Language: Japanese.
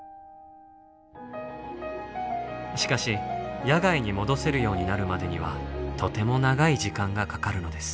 しかし野外に戻せるようになるまでにはとても長い時間がかかるのです。